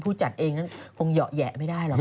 จัดเองนั้นคงเหยาะแหยะไม่ได้หรอก